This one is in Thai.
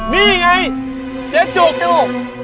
นี่ไงเจ๊จุก